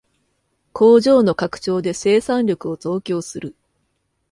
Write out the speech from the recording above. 工場の拡張で生産力を増強する